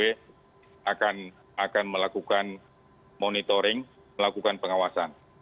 akan melakukan monitoring melakukan pengawasan